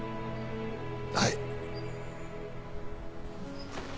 はい。